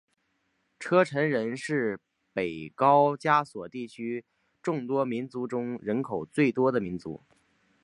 车臣人是北高加索地区众多民族中人口最多的民族。